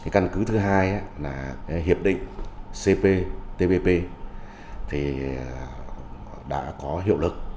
căn cứ thứ hai là hiệp định cptpp đã có hiệu lực